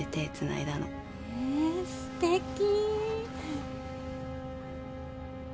えすてき。